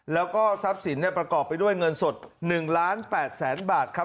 แล้วก็ทรัพย์สินประกอบไปด้วยเงินสด๑ล้าน๘แสนบาทครับ